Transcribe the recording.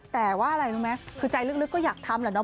แต่ว่าอะไรรู้ไหมคือใจลึกก็อยากทำแหละเนอ